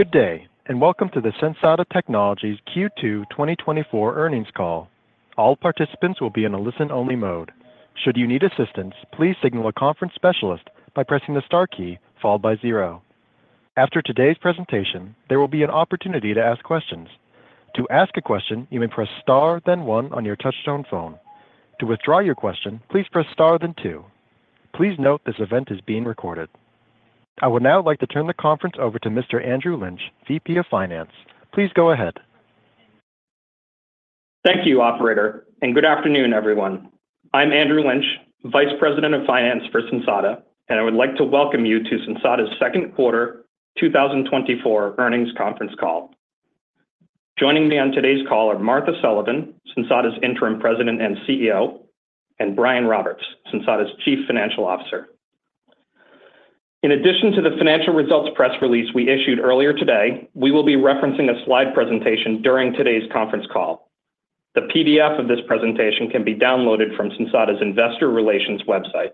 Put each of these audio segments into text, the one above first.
Good day, and welcome to the Sensata Technologies Q2 2024 earnings call. All participants will be in a listen-only mode. Should you need assistance, please signal a conference specialist by pressing the star key followed by zero. After today's presentation, there will be an opportunity to ask questions. To ask a question, you may press star then one on your touchtone phone. To withdraw your question, please press star then two. Please note this event is being recorded. I would now like to turn the conference over to Mr. Andrew Lynch, VP of Finance. Please go ahead. Thank you, Operator, and good afternoon, everyone. I'm Andrew Lynch, Vice President of Finance for Sensata, and I would like to welcome you to Sensata's second quarter 2024 earnings conference call. Joining me on today's call are Martha Sullivan, Sensata's Interim President and CEO, and Brian Roberts, Sensata's Chief Financial Officer. In addition to the financial results press release we issued earlier today, we will be referencing a slide presentation during today's conference call. The PDF of this presentation can be downloaded from Sensata's investor relations website.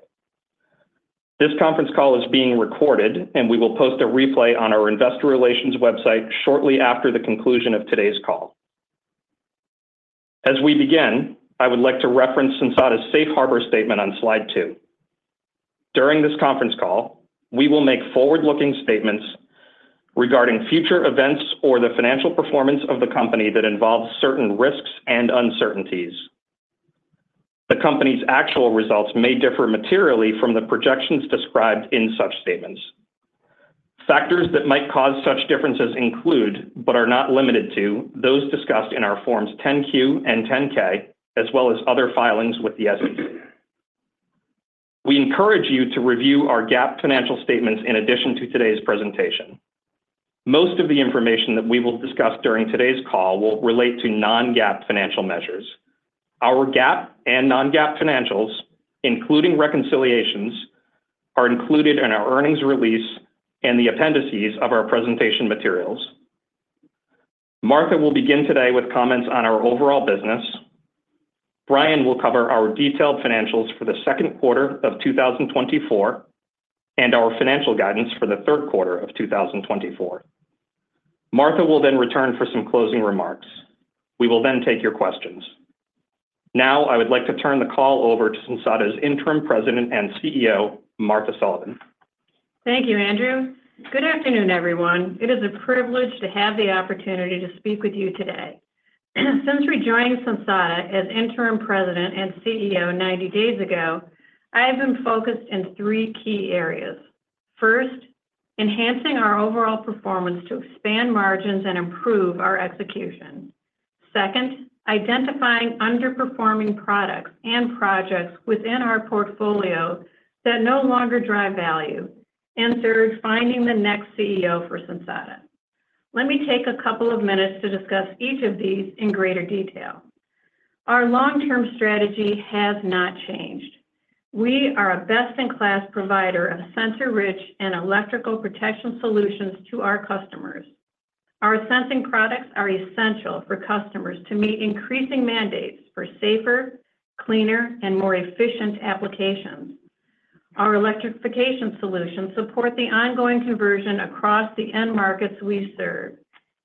This conference call is being recorded, and we will post a replay on our investor relations website shortly after the conclusion of today's call. As we begin, I would like to reference Sensata's safe harbor statement on slide two. During this conference call, we will make forward-looking statements regarding future events or the financial performance of the company that involves certain risks and uncertainties. The company's actual results may differ materially from the projections described in such statements. Factors that might cause such differences include, but are not limited to, those discussed in our Forms 10-Q and 10-K, as well as other filings with the SEC. We encourage you to review our GAAP financial statements in addition to today's presentation. Most of the information that we will discuss during today's call will relate to non-GAAP financial measures. Our GAAP and non-GAAP financials, including reconciliations, are included in our earnings release and the appendices of our presentation materials. Martha will begin today with comments on our overall business. Brian will cover our detailed financials for the second quarter of 2024 and our financial guidance for the third quarter of 2024. Martha will then return for some closing remarks. We will then take your questions. Now, I would like to turn the call over to Sensata's Interim President and CEO, Martha Sullivan. Thank you, Andrew. Good afternoon, everyone. It is a privilege to have the opportunity to speak with you today. Since rejoining Sensata as interim President and CEO 90 days ago, I have been focused in three key areas. First, enhancing our overall performance to expand margins and improve our execution. Second, identifying underperforming products and projects within our portfolio that no longer drive value. And third, finding the next CEO for Sensata. Let me take a couple of minutes to discuss each of these in greater detail. Our long-term strategy has not changed. We are a best-in-class provider of sensor-rich and electrical protection solutions to our customers. Our sensing products are essential for customers to meet increasing mandates for safer, cleaner, and more efficient applications. Our electrification solutions support the ongoing conversion across the end markets we serve,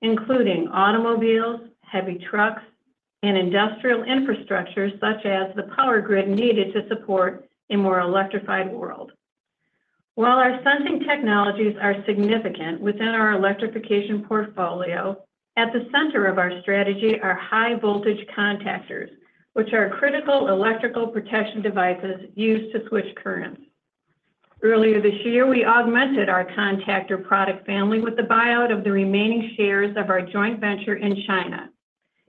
including automobiles, heavy trucks, and industrial infrastructure such as the power grid needed to support a more electrified world. While our sensing technologies are significant within our electrification portfolio, at the center of our strategy are high-voltage contactors, which are critical electrical protection devices used to switch currents. Earlier this year, we augmented our contactor product family with the buyout of the remaining shares of our joint venture in China,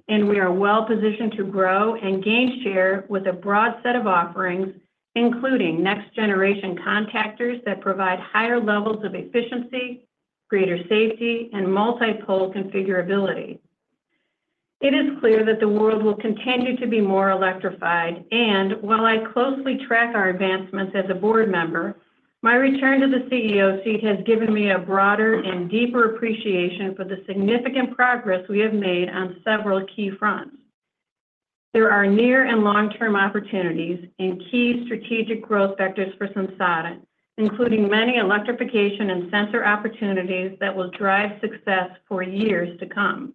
and we are well-positioned to grow and gain share with a broad set of offerings, including next-generation contactors that provide higher levels of efficiency, greater safety, and multi-pole configurability. It is clear that the world will continue to be more electrified, and while I closely track our advancements as a board member, my return to the CEO seat has given me a broader and deeper appreciation for the significant progress we have made on several key fronts. There are near and long-term opportunities and key strategic growth vectors for Sensata, including many electrification and sensor opportunities that will drive success for years to come.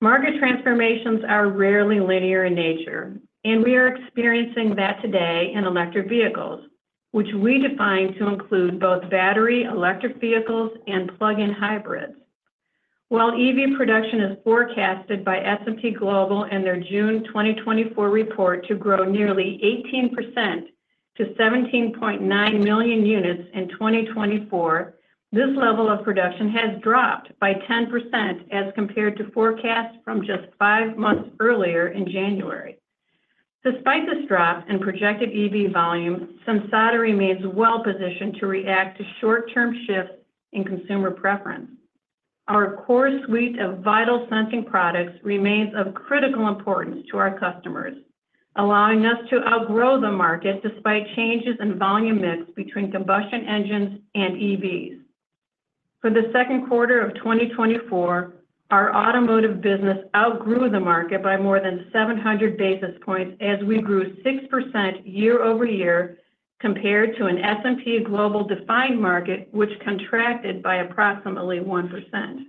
Market transformations are rarely linear in nature, and we are experiencing that today in electric vehicles, which we define to include both battery electric vehicles and plug-in hybrids. While EV production is forecasted by S&P Global and their June 2024 report to grow nearly 18% to 17.9 million units in 2024, this level of production has dropped by 10% as compared to forecasts from just five months earlier in January. Despite this drop in projected EV volume, Sensata remains well-positioned to react to short-term shifts in consumer preference. Our core suite of vital sensing products remains of critical importance to our customers, allowing us to outgrow the market despite changes in volume mix between combustion engines and EVs. For the second quarter of 2024, our automotive business outgrew the market by more than 700 basis points as we grew 6% year-over-year compared to an S&P Global defined market, which contracted by approximately 1%.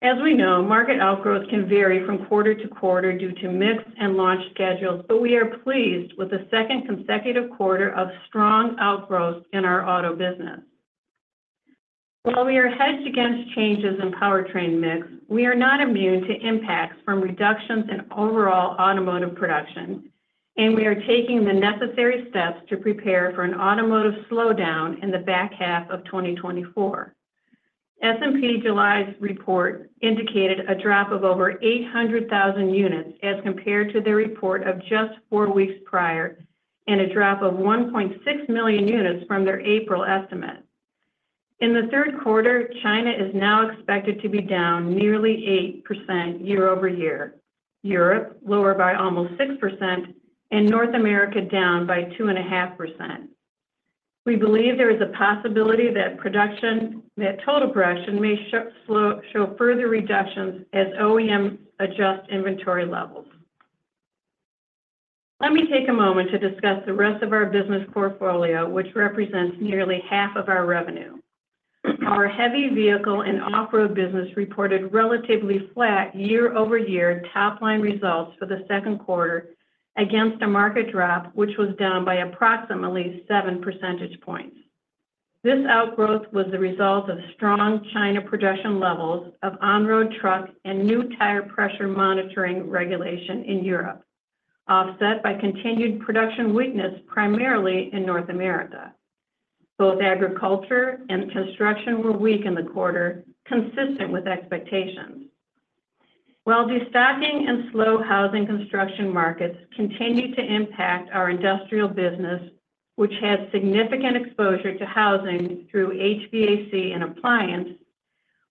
As we know, market outgrowth can vary from quarter to quarter due to mix and launch schedules, but we are pleased with the second consecutive quarter of strong outgrowth in our auto business. While we are hedged against changes in powertrain mix, we are not immune to impacts from reductions in overall automotive production, and we are taking the necessary steps to prepare for an automotive slowdown in the back half of 2024. S&P July's report indicated a drop of over 800,000 units as compared to their report of just four weeks prior and a drop of 1.6 million units from their April estimate. In the third quarter, China is now expected to be down nearly 8% year-over-year, Europe lower by almost 6%, and North America down by 2.5%. We believe there is a possibility that total production may show further reductions as OEMs adjust inventory levels. Let me take a moment to discuss the rest of our business portfolio, which represents nearly half of our revenue. Our Heavy Vehicle and Off-Road business reported relatively flat year-over-year top-line results for the second quarter against a market drop, which was down by approximately seven percentage points. This outgrowth was the result of strong China production levels of on-road truck and new tire pressure monitoring regulation in Europe, offset by continued production weakness primarily in North America. Both agriculture and construction were weak in the quarter, consistent with expectations. While destocking and slow housing construction markets continue to impact our industrial business, which had significant exposure to housing through HVAC and appliance,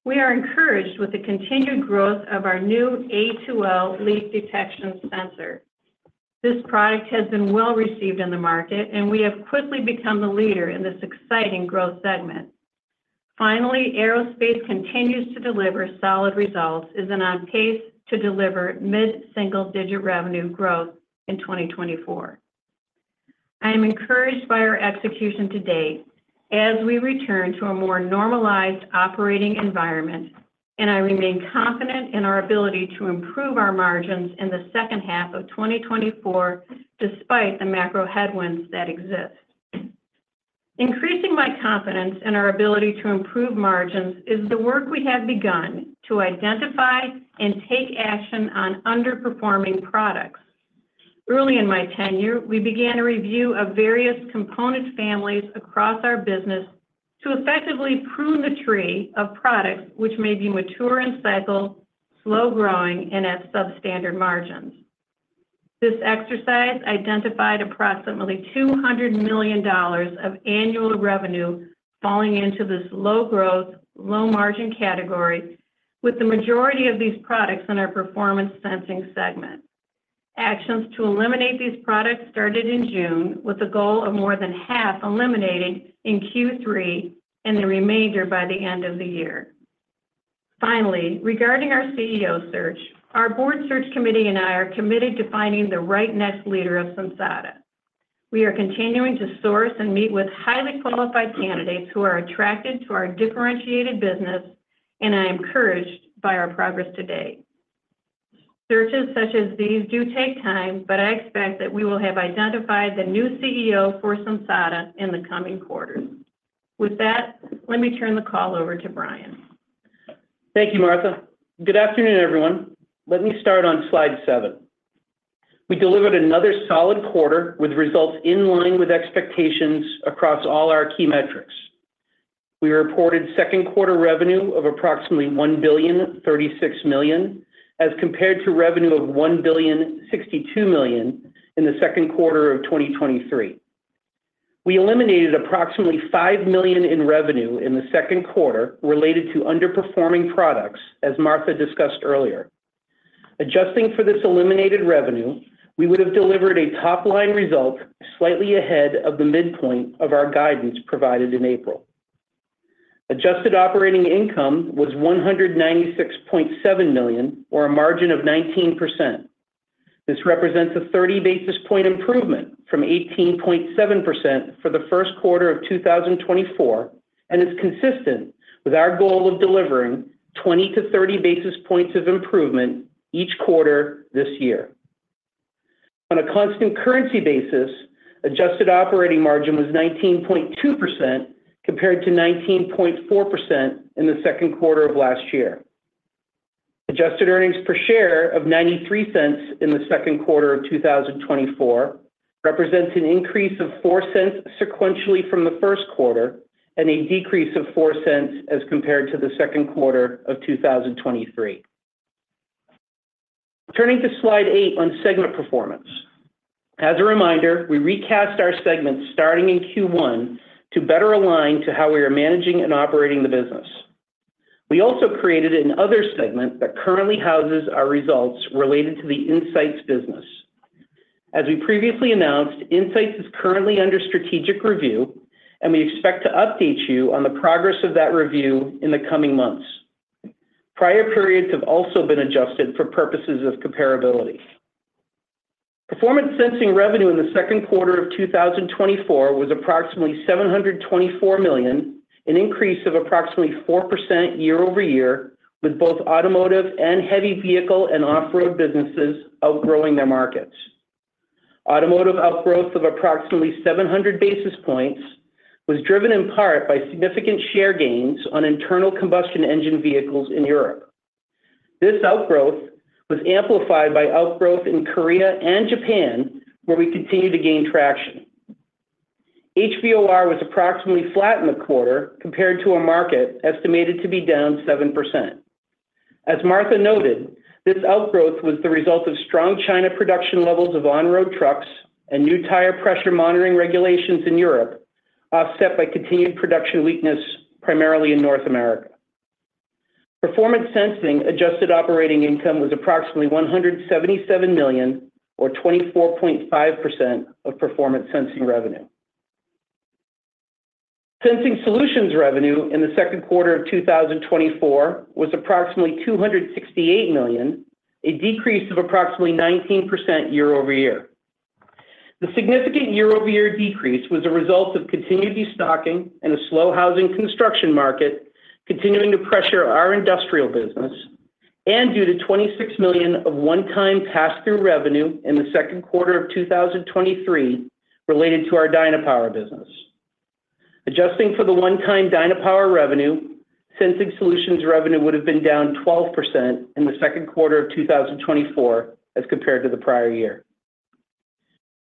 we are encouraged with the continued growth of our new A2L leak detection sensor. This product has been well-received in the market, and we have quickly become the leader in this exciting growth segment. Finally, aerospace continues to deliver solid results and is on pace to deliver mid-single-digit revenue growth in 2024. I am encouraged by our execution today as we return to a more normalized operating environment, and I remain confident in our ability to improve our margins in the second half of 2024 despite the macro headwinds that exist. Increasing my confidence in our ability to improve margins is the work we have begun to identify and take action on underperforming products. Early in my tenure, we began a review of various component families across our business to effectively prune the tree of products which may be mature in cycle, slow growing, and at substandard margins. This exercise identified approximately $200 million of annual revenue falling into this low-growth, low-margin category, with the majority of these products in our Performance Sensing segment. Actions to eliminate these products started in June, with the goal of more than half eliminating in Q3 and the remainder by the end of the year. Finally, regarding our CEO search, our board search committee and I are committed to finding the right next leader of Sensata. We are continuing to source and meet with highly qualified candidates who are attracted to our differentiated business, and I am encouraged by our progress today. Searches such as these do take time, but I expect that we will have identified the new CEO for Sensata in the coming quarter. With that, let me turn the call over to Brian. Thank you, Martha. Good afternoon, everyone. Let me start on slide seven. We delivered another solid quarter with results in line with expectations across all our key metrics. We reported second quarter revenue of approximately $1.036 billion as compared to revenue of $1.062 billion in the second quarter of 2023. We eliminated approximately $5 million in revenue in the second quarter related to underperforming products, as Martha discussed earlier. Adjusting for this eliminated revenue, we would have delivered a top-line result slightly ahead of the midpoint of our guidance provided in April. Adjusted operating income was $196.7 million, or a margin of 19%. This represents a 30-basis-point improvement from 18.7% for the first quarter of 2024 and is consistent with our goal of delivering 20-30 basis points of improvement each quarter this year. On a constant currency basis, adjusted operating margin was 19.2% compared to 19.4% in the second quarter of last year. Adjusted earnings per share of $0.93 in the second quarter of 2024 represents an increase of $0.04 sequentially from the first quarter and a decrease of $0.04 as compared to the second quarter of 2023. Turning to slide eight on segment performance. As a reminder, we recast our segments starting in Q1 to better align to how we are managing and operating the business. We also created another segment that currently houses our results related to the Insights business. As we previously announced, Insights is currently under strategic review, and we expect to update you on the progress of that review in the coming months. Prior periods have also been adjusted for purposes of comparability. Performance Sensing revenue in the second quarter of 2024 was approximately $724 million, an increase of approximately 4% year-over-year, with both automotive and heavy vehicle and off-road businesses outgrowing their markets. Automotive outgrowth of approximately 700 basis points was driven in part by significant share gains on internal combustion engine vehicles in Europe. This outgrowth was amplified by outgrowth in Korea and Japan, where we continue to gain traction. HVOR was approximately flat in the quarter compared to a market estimated to be down 7%. As Martha noted, this outgrowth was the result of strong China production levels of on-road trucks and new tire pressure monitoring regulations in Europe, offset by continued production weakness primarily in North America. Performance Sensing adjusted operating income was approximately $177 million, or 24.5% of Performance Sensing revenue. Sensing Solutions revenue in the second quarter of 2024 was approximately $268 million, a decrease of approximately 19% year-over-year. The significant year-over-year decrease was a result of continued destocking and a slow housing construction market continuing to pressure our industrial business, and due to $26 million of one-time pass-through revenue in the second quarter of 2023 related to our Dynapower business. Adjusting for the one-time Dynapower revenue, Sensing Solutions revenue would have been down 12% in the second quarter of 2024 as compared to the prior year.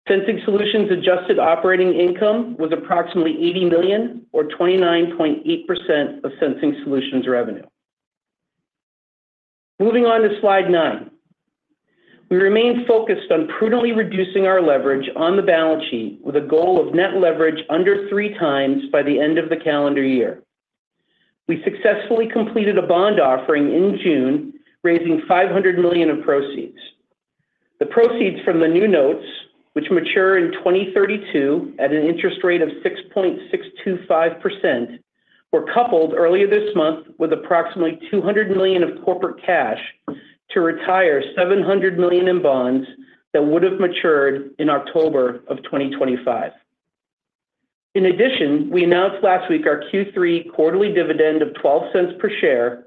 Sensing Solutions adjusted operating income was approximately $80 million, or 29.8% of Sensing Solutions revenue. Moving on to slide nine. We remained focused on prudently reducing our leverage on the balance sheet with a goal of net leverage under three times by the end of the calendar year. We successfully completed a bond offering in June, raising $500 million of proceeds. The proceeds from the new notes, which mature in 2032 at an interest rate of 6.625%, were coupled earlier this month with approximately $200 million of corporate cash to retire $700 million in bonds that would have matured in October of 2025. In addition, we announced last week our Q3 quarterly dividend of $0.12 per share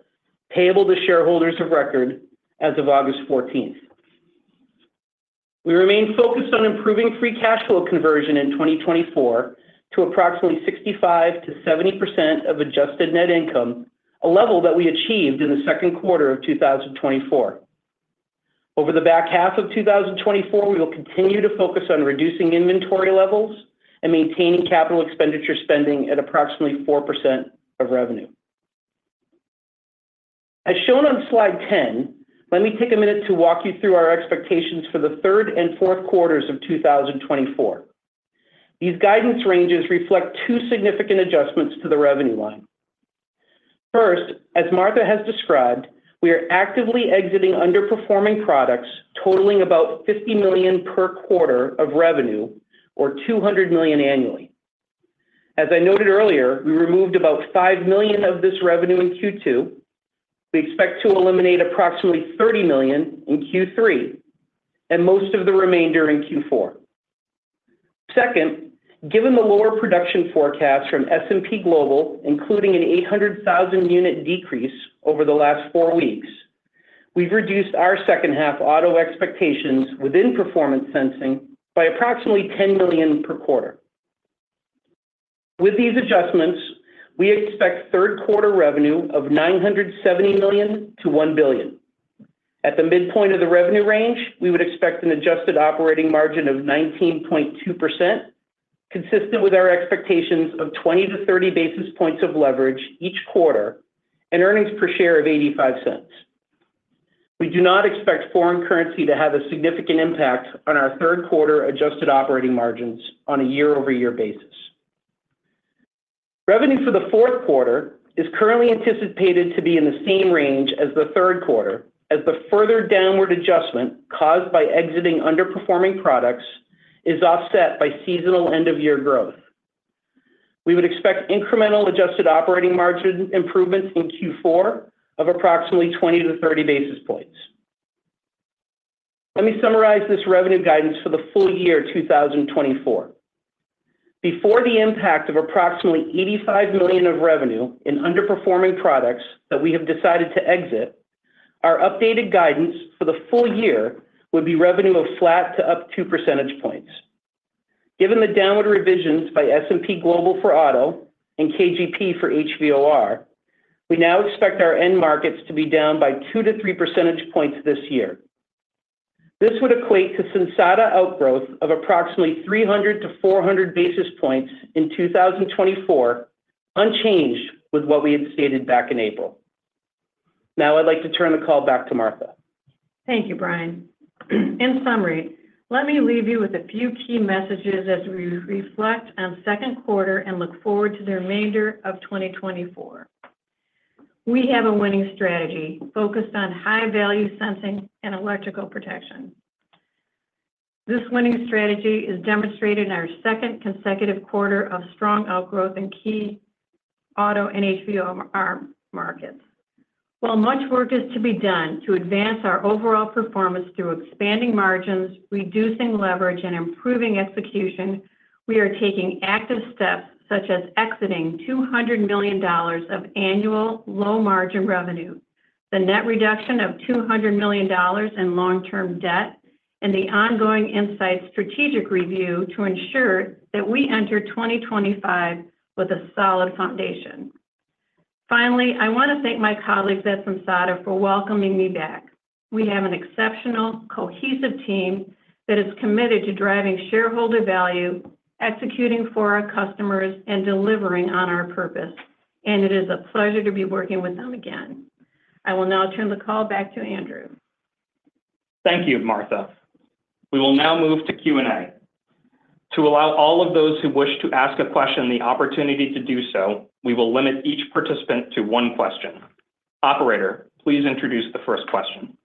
payable to shareholders of record as of August 14th. We remain focused on improving free cash flow conversion in 2024 to approximately 65%-70% of adjusted net income, a level that we achieved in the second quarter of 2024. Over the back half of 2024, we will continue to focus on reducing inventory levels and maintaining capital expenditure spending at approximately 4% of revenue. As shown on slide 10, let me take a minute to walk you through our expectations for the third and fourth quarters of 2024. These guidance ranges reflect two significant adjustments to the revenue line. First, as Martha has described, we are actively exiting underperforming products totaling about $50 million per quarter of revenue, or $200 million annually. As I noted earlier, we removed about $5 million of this revenue in Q2. We expect to eliminate approximately $30 million in Q3 and most of the remainder in Q4. Second, given the lower production forecast from S&P Global, including an 800,000 unit decrease over the last four weeks, we've reduced our second-half auto expectations within Performance Sensing by approximately $10 million per quarter. With these adjustments, we expect third quarter revenue of $970 million to $1 billion. At the midpoint of the revenue range, we would expect an adjusted operating margin of 19.2%, consistent with our expectations of 20-30 basis points of leverage each quarter and earnings per share of $0.85. We do not expect foreign currency to have a significant impact on our third quarter adjusted operating margins on a year-over-year basis. Revenue for the fourth quarter is currently anticipated to be in the same range as the third quarter, as the further downward adjustment caused by exiting underperforming products is offset by seasonal end-of-year growth. We would expect incremental adjusted operating margin improvements in Q4 of approximately 20-30 basis points. Let me summarize this revenue guidance for the full year 2024. Before the impact of approximately $85 million of revenue in underperforming products that we have decided to exit, our updated guidance for the full year would be revenue of flat to up two percentage points. Given the downward revisions by S&P Global for auto and KGP for HVOR, we now expect our end markets to be down by two to three percentage points this year. This would equate to Sensata outgrowth of approximately 300-400 basis points in 2024, unchanged with what we had stated back in April. Now, I'd like to turn the call back to Martha. Thank you, Brian. In summary, let me leave you with a few key messages as we reflect on second quarter and look forward to the remainder of 2024. We have a winning strategy focused on high-value sensing and electrical protection. This winning strategy is demonstrated in our second consecutive quarter of strong outgrowth in key auto and HVOR markets. While much work is to be done to advance our overall performance through expanding margins, reducing leverage, and improving execution, we are taking active steps such as exiting $200 million of annual low-margin revenue, the net reduction of $200 million in long-term debt, and the ongoing Insights strategic review to ensure that we enter 2025 with a solid foundation. Finally, I want to thank my colleagues at Sensata for welcoming me back. We have an exceptional, cohesive team that is committed to driving shareholder value, executing for our customers, and delivering on our purpose, and it is a pleasure to be working with them again. I will now turn the call back to Andrew. Thank you, Martha. We will now move to Q&A. To allow all of those who wish to ask a question the opportunity to do so, we will limit each participant to one question. Operator, please introduce the first question.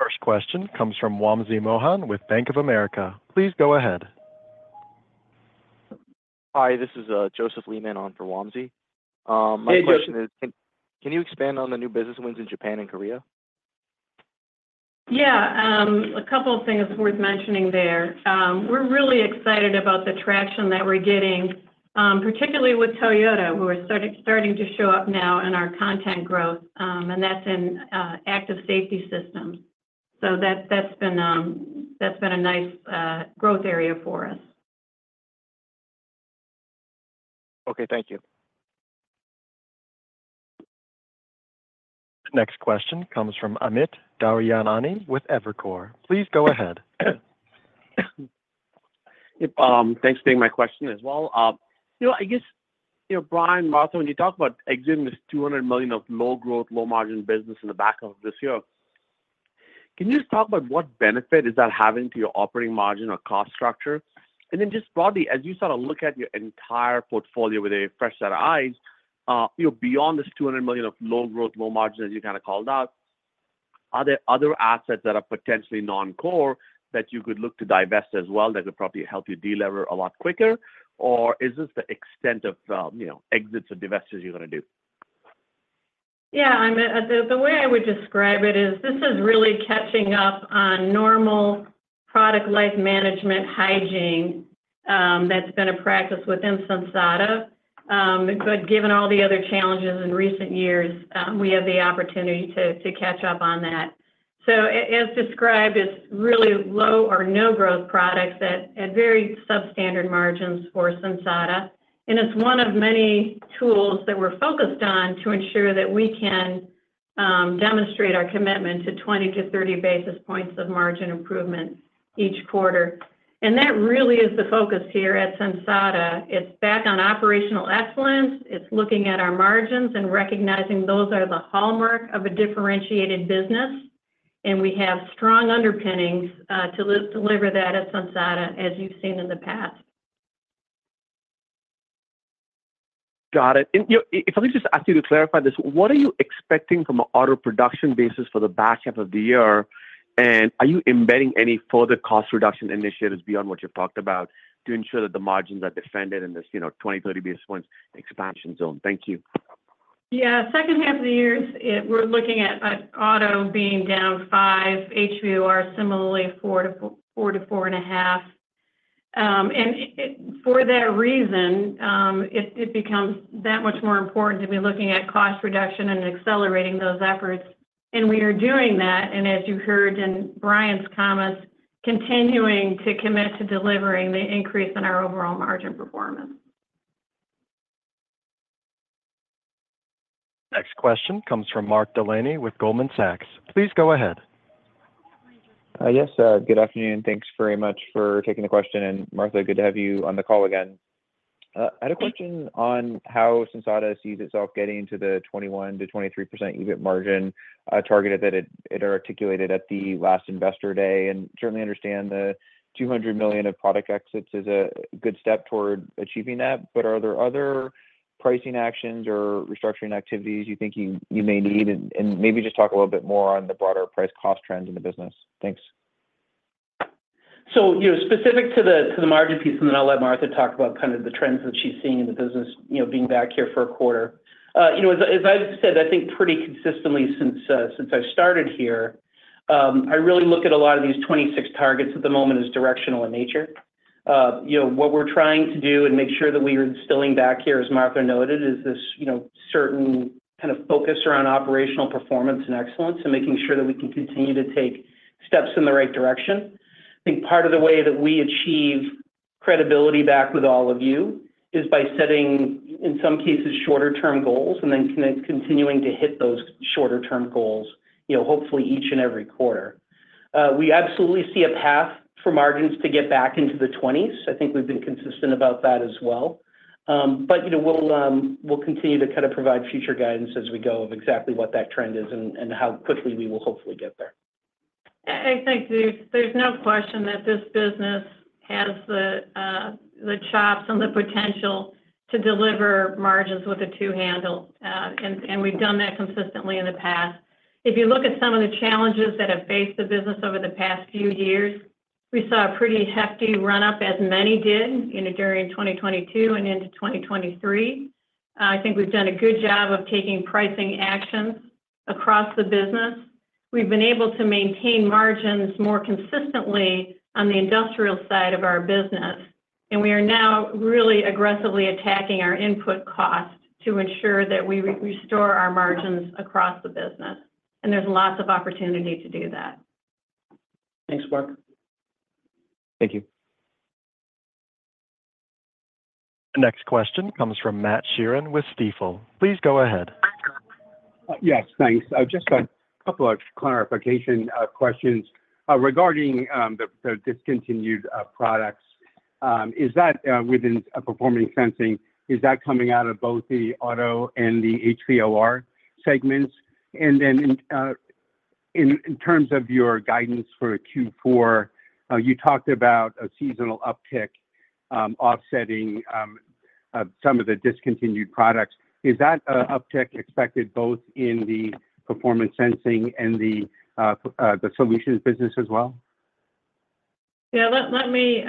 First question comes from Wamsi Mohan with Bank of America. Please go ahead. Hi, this is Joseph Leeman on for Wamsi. Good evening. My question is, can you expand on the new business wins in Japan and Korea? Yeah, a couple of things worth mentioning there. We're really excited about the traction that we're getting, particularly with Toyota, who are starting to show up now in our content growth, and that's in active safety systems. So that's been a nice growth area for us. Okay, thank you. Next question comes from Amit Daryanani with Evercore. Please go ahead. Thanks for taking my question as well. I guess, Brian, Martha, when you talk about exiting this $200 million of low-growth, low-margin business in the back of this year, can you just talk about what benefit is that having to your operating margin or cost structure? And then just broadly, as you sort of look at your entire portfolio with a fresh set of eyes, beyond this $200 million of low-growth, low-margin, as you kind of called out, are there other assets that are potentially non-core that you could look to divest as well that could probably help you deliver a lot quicker? Or is this the extent of exits or divestitures you're going to do? Yeah, the way I would describe it is this is really catching up on normal product life management hygiene that's been a practice within Sensata. But given all the other challenges in recent years, we have the opportunity to catch up on that. So as described, it's really low or no-growth products at very substandard margins for Sensata. And it's one of many tools that we're focused on to ensure that we can demonstrate our commitment to 20-30 basis points of margin improvement each quarter. And that really is the focus here at Sensata. It's back on operational excellence. It's looking at our margins and recognizing those are the hallmark of a differentiated business. And we have strong underpinnings to deliver that at Sensata, as you've seen in the past. Got it. If I could just ask you to clarify this, what are you expecting from an auto production basis for the back half of the year? And are you embedding any further cost reduction initiatives beyond what you've talked about to ensure that the margins are defended in this 20-30 basis points expansion zone? Thank you. Yeah, second half of the year, we're looking at auto being down 5%, HVOR similarly 4%-4.5%. And for that reason, it becomes that much more important to be looking at cost reduction and accelerating those efforts. And we are doing that. And as you heard in Brian's comments, continuing to commit to delivering the increase in our overall margin performance. Next question comes from Mark Delaney with Goldman Sachs. Please go ahead. Yes, good afternoon. Thanks very much for taking the question. And Martha, good to have you on the call again. I had a question on how Sensata sees itself getting to the 21%-23% EBIT margin target that it articulated at the last investor day. And certainly understand the $200 million of product exits is a good step toward achieving that. But are there other pricing actions or restructuring activities you think you may need? And maybe just talk a little bit more on the broader price cost trends in the business. Thanks. So specific to the margin piece, and then I'll let Martha talk about kind of the trends that she's seeing in the business being back here for a quarter. As I've said, I think pretty consistently since I started here, I really look at a lot of these 26 targets at the moment as directional in nature. What we're trying to do and make sure that we are instilling back here, as Martha noted, is this certain kind of focus around operational performance and excellence and making sure that we can continue to take steps in the right direction. I think part of the way that we achieve credibility back with all of you is by setting, in some cases, shorter-term goals and then continuing to hit those shorter-term goals, hopefully each and every quarter. We absolutely see a path for margins to get back into the 20s. I think we've been consistent about that as well. But we'll continue to kind of provide future guidance as we go of exactly what that trend is and how quickly we will hopefully get there. I think there's no question that this business has the chops and the potential to deliver margins with a two-handle. And we've done that consistently in the past. If you look at some of the challenges that have faced the business over the past few years, we saw a pretty hefty run-up, as many did during 2022 and into 2023. I think we've done a good job of taking pricing actions across the business. We've been able to maintain margins more consistently on the industrial side of our business. And we are now really aggressively attacking our input cost to ensure that we restore our margins across the business. And there's lots of opportunity to do that. Thanks, Mark. Thank you. Next question comes from Matt Sheerin with Stifel. Please go ahead. Yes, thanks. Just a couple of clarification questions regarding the discontinued products. Within Performance Sensing, is that coming out of both the auto and the HVOR segments? And then in terms of your guidance for Q4, you talked about a seasonal uptick offsetting some of the discontinued products. Is that uptick expected both in the Performance Sensing and the solutions business as well? Yeah, let me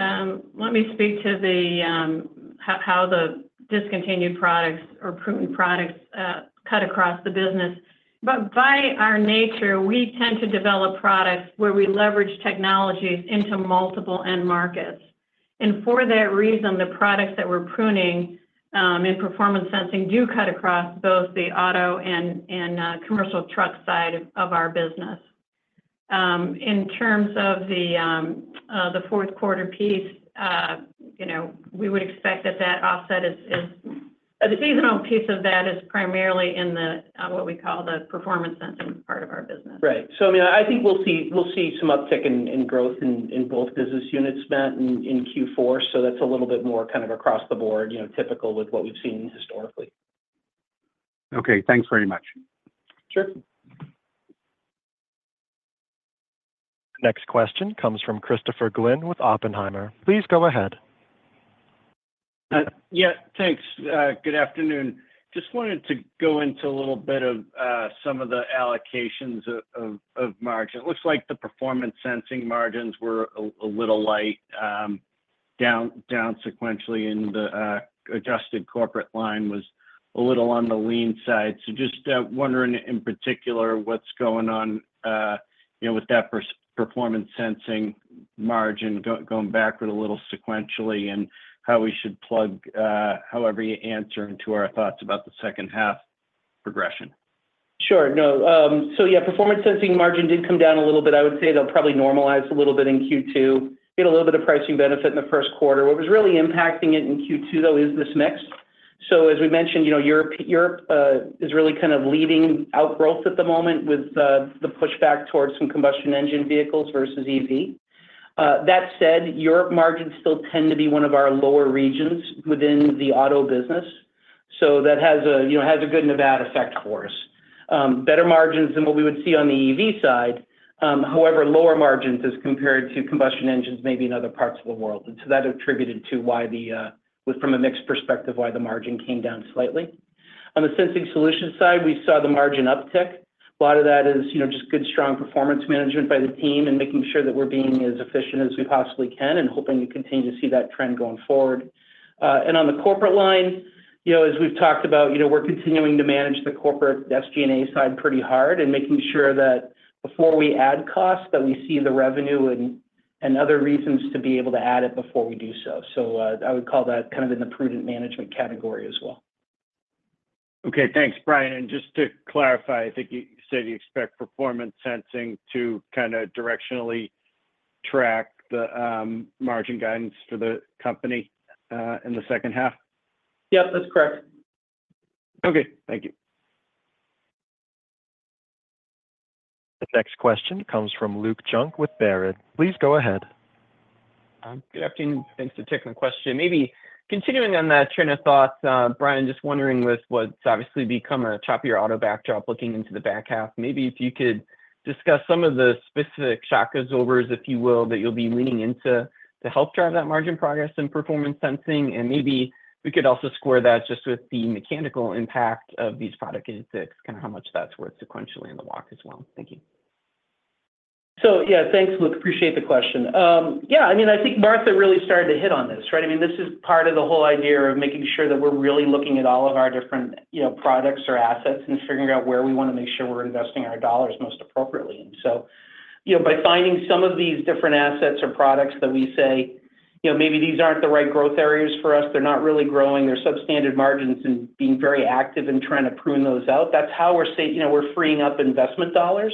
speak to how the discontinued products or pruned products cut across the business. But by our nature, we tend to develop products where we leverage technologies into multiple end markets. And for that reason, the products that we're pruning in Performance Sensing do cut across both the auto and commercial truck side of our business. In terms of the fourth quarter piece, we would expect that that offset is the seasonal piece of that is primarily in what we call the Performance Sensing part of our business. Right. So I mean, I think we'll see some uptick in growth in both business units, Matt, in Q4. That's a little bit more kind of across the board, typical with what we've seen historically. Okay, thanks very much. Sure. Next question comes from Christopher Glynn with Oppenheimer. Please go ahead. Yeah, thanks. Good afternoon. Just wanted to go into a little bit of some of the allocations of margin. It looks like the Performance Sensing margins were a little light down sequentially, and the adjusted corporate line was a little on the lean side. So just wondering in particular what's going on with that Performance Sensing margin going backward a little sequentially and how we should plug however you answer into our thoughts about the second half progression. Sure. No. So yeah, Performance Sensing margin did come down a little bit. I would say they'll probably normalize a little bit in Q2. We had a little bit of pricing benefit in the first quarter. What was really impacting it in Q2, though, is this mix. So as we mentioned, Europe is really kind of leading outgrowth at the moment with the pushback towards some combustion engine vehicles versus EV. That said, Europe margins still tend to be one of our lower regions within the auto business. So that has a negative effect for us. Better margins than what we would see on the EV side. However, lower margins as compared to combustion engines, maybe in other parts of the world. And so that attributed to why, from a mix perspective, why the margin came down slightly. On the Sensing Solutions side, we saw the margin uptick. A lot of that is just good, strong performance management by the team and making sure that we're being as efficient as we possibly can and hoping to continue to see that trend going forward. On the corporate line, as we've talked about, we're continuing to manage the corporate SG&A side pretty hard and making sure that before we add costs, that we see the revenue and other reasons to be able to add it before we do so. I would call that kind of in the prudent management category as well. Okay, thanks, Brian. And just to clarify, I think you said you expect Performance Sensing to kind of directionally track the margin guidance for the company in the second half. Yep, that's correct. Okay, thank you. Next question comes from Luke Junk with Baird. Please go ahead. Good afternoon. Thanks for taking the question. Maybe continuing on that train of thoughts, Brian, just wondering with what's obviously become a choppier auto backdrop looking into the back half, maybe if you could discuss some of the specific shock absorbers, if you will, that you'll be leaning into to help drive that margin progress in Performance Sensing. And maybe we could also square that just with the mechanical impact of these product intakes, kind of how much that's worth sequentially in the walk as well. Thank you. So yeah, thanks, Luke. Appreciate the question. Yeah, I mean, I think Martha really started to hit on this, right? I mean, this is part of the whole idea of making sure that we're really looking at all of our different products or assets and figuring out where we want to make sure we're investing our dollars most appropriately. And so by finding some of these different assets or products that we say, "Maybe these aren't the right growth areas for us. They're not really growing. They're substandard margins," and being very active in trying to prune those out, that's how we're freeing up investment dollars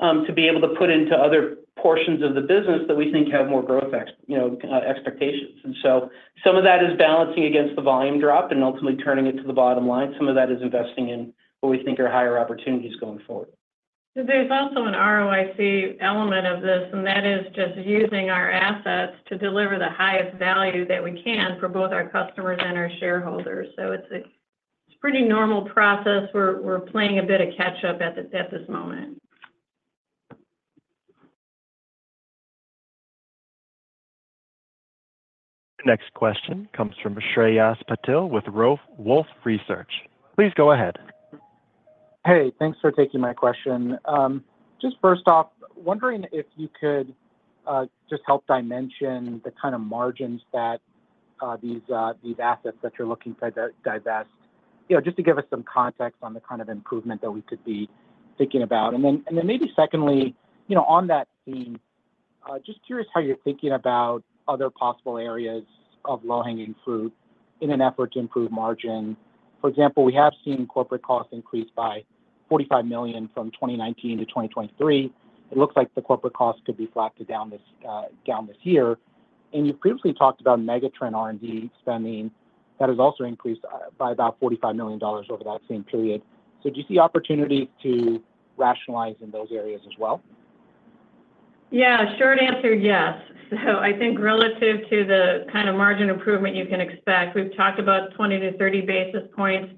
to be able to put into other portions of the business that we think have more growth expectations. And so some of that is balancing against the volume drop and ultimately turning it to the bottom line. Some of that is investing in what we think are higher opportunities going forward. There's also an ROIC element of this, and that is just using our assets to deliver the highest value that we can for both our customers and our shareholders. So it's a pretty normal process. We're playing a bit of catch-up at this moment. Next question comes from Shreyas Patil with Wolfe Research. Please go ahead. Hey, thanks for taking my question. Just first off, wondering if you could just help dimension the kind of margins that these assets that you're looking to divest, just to give us some context on the kind of improvement that we could be thinking about. And then maybe secondly, on that theme, just curious how you're thinking about other possible areas of low-hanging fruit in an effort to improve margin. For example, we have seen corporate costs increase by $45 million from 2019-2023. It looks like the corporate costs could be flattened down this year. And you've previously talked about megatrend R&D spending that has also increased by about $45 million over that same period. So do you see opportunities to rationalize in those areas as well? Yeah, short answer, yes. So I think relative to the kind of margin improvement you can expect, we've talked about 20-30 basis points.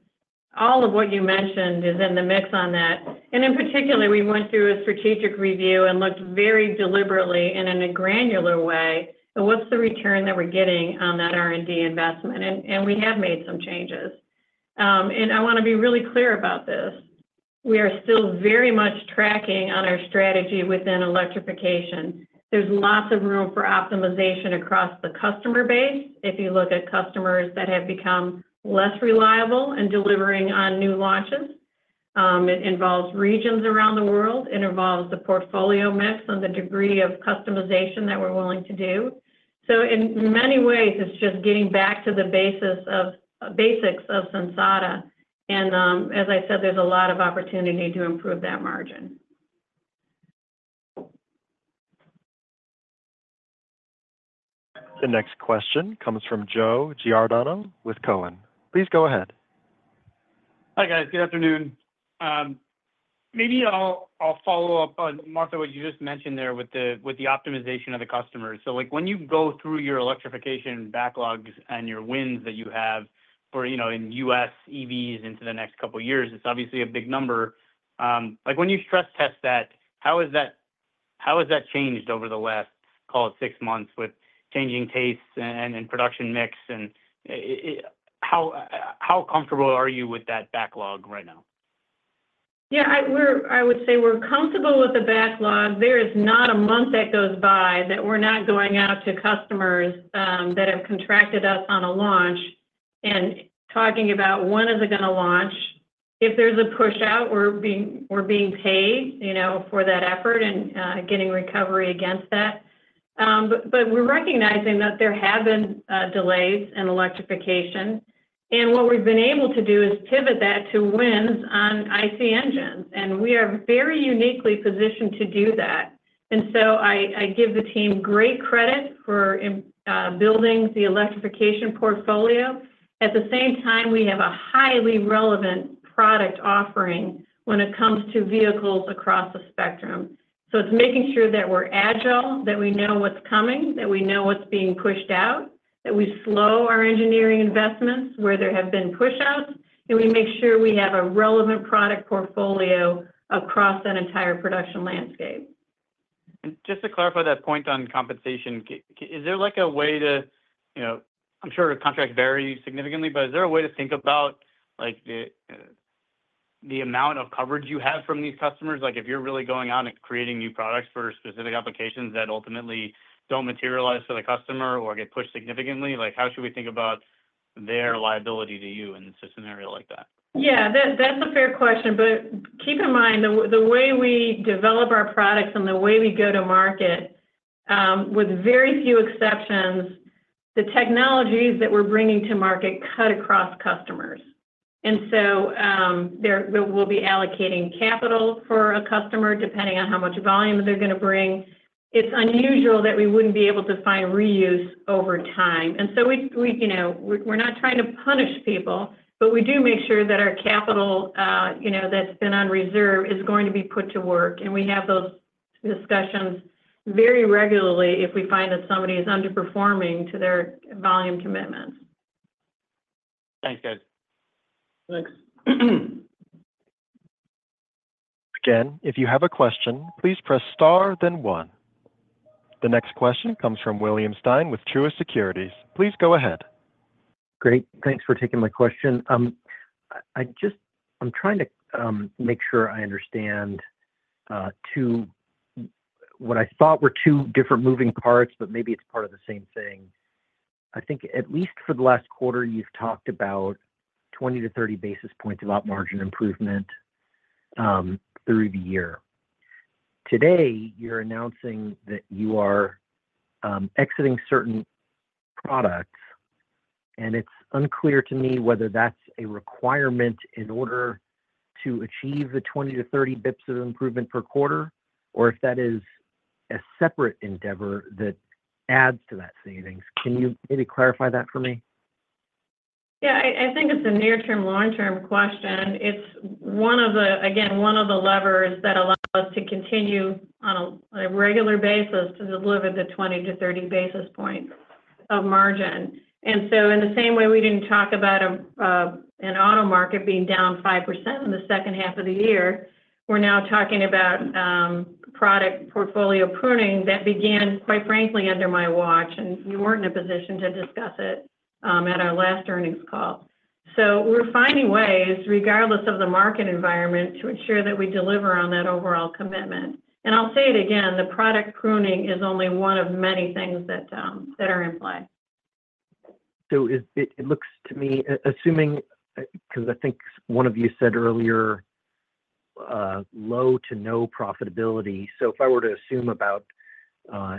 All of what you mentioned is in the mix on that. And in particular, we went through a strategic review and looked very deliberately in a granular way at what's the return that we're getting on that R&D investment. And we have made some changes. And I want to be really clear about this. We are still very much tracking on our strategy within electrification. There's lots of room for optimization across the customer base if you look at customers that have become less reliable and delivering on new launches. It involves regions around the world. It involves the portfolio mix and the degree of customization that we're willing to do. So in many ways, it's just getting back to the basics of Sensata. As I said, there's a lot of opportunity to improve that margin. The next question comes from Joe Giordano with Cowen. Please go ahead. Hi guys. Good afternoon. Maybe I'll follow up on Martha, what you just mentioned there with the optimization of the customers. So when you go through your electrification backlogs and your wins that you have in U.S. EVs into the next couple of years, it's obviously a big number. When you stress test that, how has that changed over the last, call it, six months with changing tastes and production mix? And how comfortable are you with that backlog right now? Yeah, I would say we're comfortable with the backlog. There is not a month that goes by that we're not going out to customers that have contracted us on a launch and talking about when is it going to launch. If there's a push-out, we're being paid for that effort and getting recovery against that. But we're recognizing that there have been delays in electrification. And what we've been able to do is pivot that to wins on IC engines. And we are very uniquely positioned to do that. And so I give the team great credit for building the electrification portfolio. At the same time, we have a highly relevant product offering when it comes to vehicles across the spectrum. So it's making sure that we're agile, that we know what's coming, that we know what's being pushed out, that we slow our engineering investments where there have been push-outs, and we make sure we have a relevant product portfolio across that entire production landscape. Just to clarify that point on compensation, is there a way to, I'm sure contracts vary significantly, but is there a way to think about the amount of coverage you have from these customers? If you're really going out and creating new products for specific applications that ultimately don't materialize for the customer or get pushed significantly, how should we think about their liability to you in such an area like that? Yeah, that's a fair question. But keep in mind the way we develop our products and the way we go to market, with very few exceptions, the technologies that we're bringing to market cut across customers. And so we'll be allocating capital for a customer depending on how much volume they're going to bring. It's unusual that we wouldn't be able to find reuse over time. And so we're not trying to punish people, but we do make sure that our capital that's been on reserve is going to be put to work. And we have those discussions very regularly if we find that somebody is underperforming to their volume commitments. Thanks, guys. Thanks. Again, if you have a question, please press star, then one. The next question comes from William Stein with Truist Securities. Please go ahead. Great. Thanks for taking my question. I'm trying to make sure I understand what I thought were two different moving parts, but maybe it's part of the same thing. I think at least for the last quarter, you've talked about 20-30 basis points about margin improvement through the year. Today, you're announcing that you are exiting certain products, and it's unclear to me whether that's a requirement in order to achieve the 20-30 basis points of improvement per quarter, or if that is a separate endeavor that adds to that savings. Can you maybe clarify that for me? Yeah, I think it's a near-term, long-term question. It's one of the, again, one of the levers that allows us to continue on a regular basis to deliver the 20-30 basis points of margin. And so in the same way, we didn't talk about an auto market being down 5% in the second half of the year. We're now talking about product portfolio pruning that began, quite frankly, under my watch, and you weren't in a position to discuss it at our last earnings call. So we're finding ways, regardless of the market environment, to ensure that we deliver on that overall commitment. And I'll say it again, the product pruning is only one of many things that are in play. It looks to me, assuming, because I think one of you said earlier, low to no profitability. So if I were to assume about 10%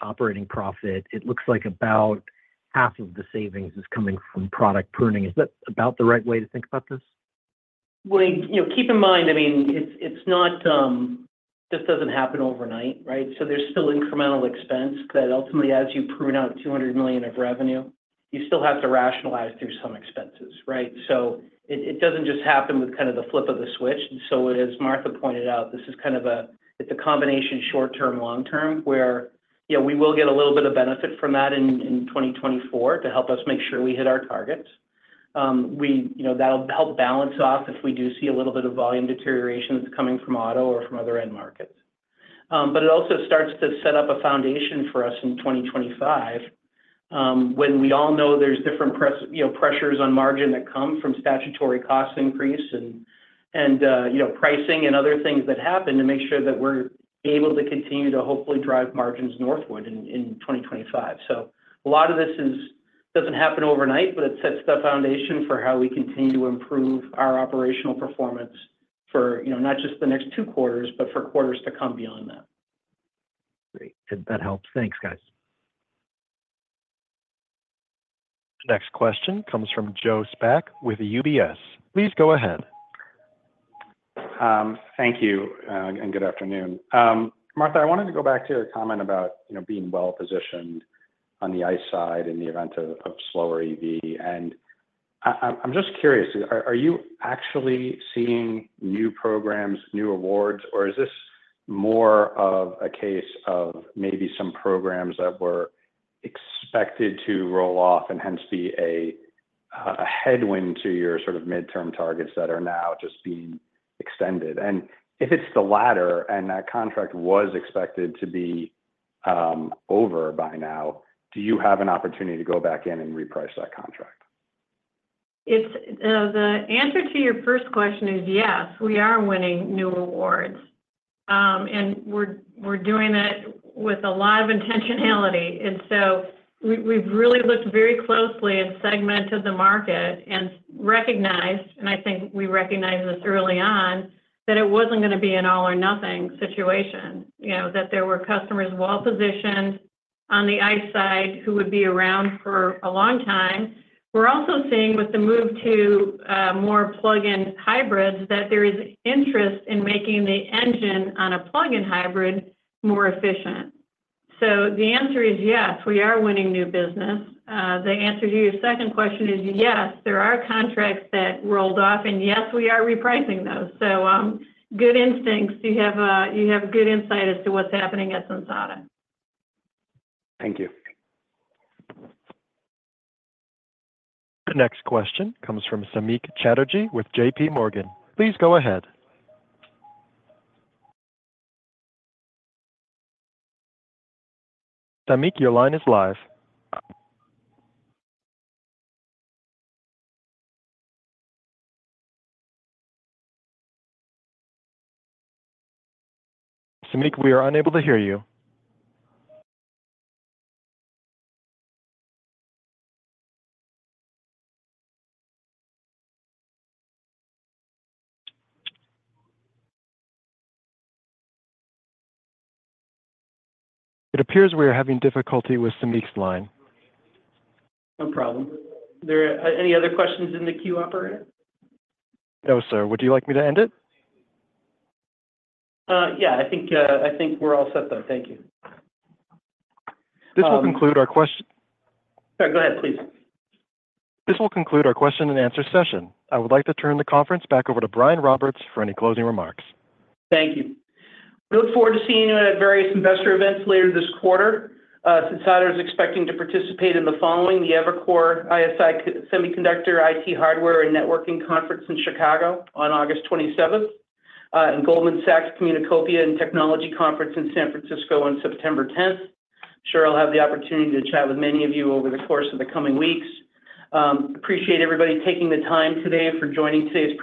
operating profit, it looks like about half of the savings is coming from product pruning. Is that about the right way to think about this? Well, keep in mind, I mean, this doesn't happen overnight, right? So there's still incremental expense that ultimately, as you prune out $200 million of revenue, you still have to rationalize through some expenses, right? So it doesn't just happen with kind of the flip of the switch. And so as Martha pointed out, this is kind of a, it's a combination short-term, long-term where we will get a little bit of benefit from that in 2024 to help us make sure we hit our targets. That'll help balance off if we do see a little bit of volume deterioration that's coming from auto or from other end markets. But it also starts to set up a foundation for us in 2025 when we all know there's different pressures on margin that come from statutory cost increase and pricing and other things that happen to make sure that we're able to continue to hopefully drive margins northward in 2025. So a lot of this doesn't happen overnight, but it sets the foundation for how we continue to improve our operational performance for not just the next two quarters, but for quarters to come beyond that. Great. That helps. Thanks, guys. Next question comes from Joe Spak with UBS. Please go ahead. Thank you and good afternoon. Martha, I wanted to go back to your comment about being well-positioned on the ICE side in the event of slower EV. I'm just curious, are you actually seeing new programs, new awards, or is this more of a case of maybe some programs that were expected to roll off and hence be a headwind to your sort of midterm targets that are now just being extended? If it's the latter and that contract was expected to be over by now, do you have an opportunity to go back in and reprice that contract? The answer to your first question is yes. We are winning new awards. We're doing it with a lot of intentionality. We've really looked very closely and segmented the market and recognized, and I think we recognized this early on, that it wasn't going to be an all-or-nothing situation, that there were customers well-positioned on the ICE side who would be around for a long time. We're also seeing with the move to more plug-in hybrids that there is interest in making the engine on a plug-in hybrid more efficient. The answer is yes. We are winning new business. The answer to your second question is yes. There are contracts that rolled off, and yes, we are repricing those. Good instincts. You have good insight as to what's happening at Sensata. Thank you. The next question comes from Samik Chatterjee with JPMorgan. Please go ahead. Samik, your line is live. Samik, we are unable to hear you. It appears we are having difficulty with Samik's line. No problem. Any other questions in the queue, operator? No, sir. Would you like me to end it? Yeah. I think we're all set though. Thank you. This will conclude our question. Sorry. Go ahead, please. This will conclude our question-and-answer session. I would like to turn the conference back over to Brian Roberts for any closing remarks. Thank you. We look forward to seeing you at various investor events later this quarter. Sensata is expecting to participate in the following: the Evercore ISI Semiconductor IT Hardware and Networking Conference in Chicago on August 27th, and Goldman Sachs Communacopia and Technology Conference in San Francisco on September 10th. I'm sure I'll have the opportunity to chat with many of you over the course of the coming weeks. Appreciate everybody taking the time today for joining today's.